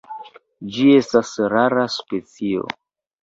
Ĝi estas rara specio.